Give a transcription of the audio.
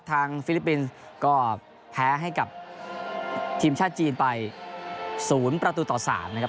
ฟิลิปปินส์ก็แพ้ให้กับทีมชาติจีนไป๐ประตูต่อ๓นะครับ